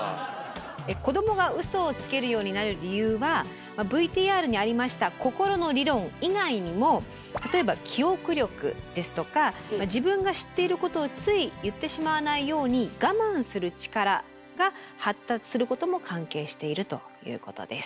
子どもがウソをつけるようになる理由はＶＴＲにありました「心の理論」以外にも例えば記憶力ですとか自分が知っていることをつい言ってしまわないようにガマンする力が発達することも関係しているということです。